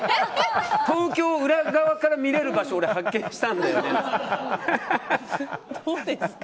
東京を裏側から見られる場所俺、発見したんだよねって。